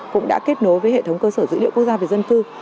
cũng đã kết nối với hệ thống cơ sở dữ liệu quốc gia về dân cư